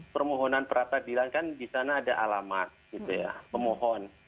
permohonan pra peradilan kan di sana ada alamat gitu ya pemohon